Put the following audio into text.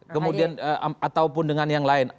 kemudian ataupun dengan yang lain